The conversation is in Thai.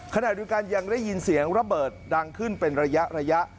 ขณะเดียวกันยังได้ยินเสียงระเบิดดังขึ้นเป็นระยะ